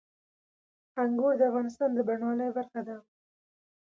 انګور د افغانستان د بڼوالۍ برخه ده.